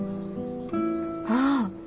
ああ。